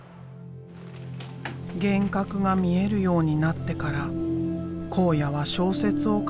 幻覚が見えるようになってから考哉は小説を書くようになった。